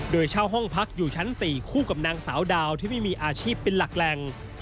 โดยเช่าห้องพักอยู่ชั้น๔คู่กับนางสาวดาวที่ไม่มีอาชีพเป็นหลักแหล่ง